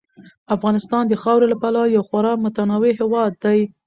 افغانستان د خاورې له پلوه یو خورا متنوع هېواد دی.